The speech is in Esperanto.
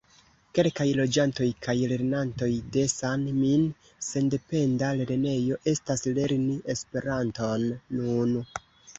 Kelkaj loĝantoj kaj lernantoj de San-Min sendependa lernejo estas lerni Esperanton nun.